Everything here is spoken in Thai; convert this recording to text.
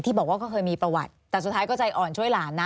บอกว่าก็เคยมีประวัติแต่สุดท้ายก็ใจอ่อนช่วยหลานนะ